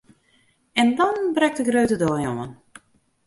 En dan brekt de grutte dei oan!